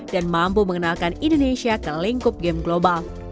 dan mampu mengenalkan indonesia ke lingkup game global